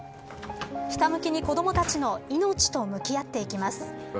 ひたむきに、子どもたちの命と向き合っていきます。